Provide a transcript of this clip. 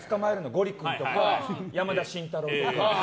ゴリ君とか山田親太朗とか。